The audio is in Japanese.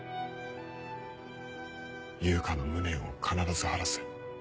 悠香の無念を必ず晴らす。